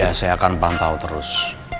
ya saya akan pantau terus